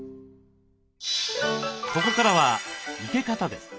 ここからは生け方です。